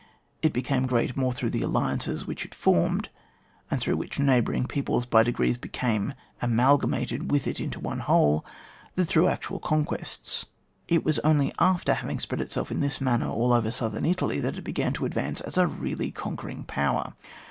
It became great more through the alliances which it formed, and through which neighbouring peoples by degrees became amalgamated with it into one whole, than through actual conquests. It^was only after having spread itself in this manner all over Southern Italy, that it began to advance as a really conquering power.